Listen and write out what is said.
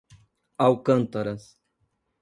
Alcântaras